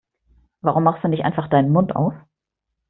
Warum machst du nicht einfach deinen Mund auf?